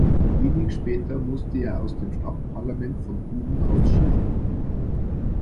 Wenig später musste er aus dem Stadtparlament von Guben ausscheiden.